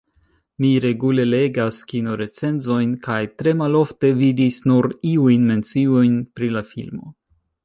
Mi regule legas kinorecenzojn, kaj tre malofte vidis nur iujn menciojn pri la filmo.